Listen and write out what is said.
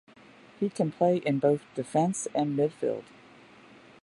He can play in both defence and midfield.